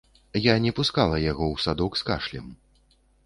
Я не пускала яго ў садок з кашлем.